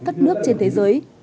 các nước trên thế giới